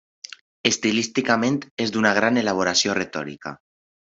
Estilísticament és d'una gran elaboració retòrica.